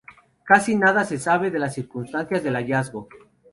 Casi nada se sabe de las circunstancias del hallazgo.